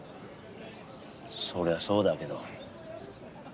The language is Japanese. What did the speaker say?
そりゃそうだけど。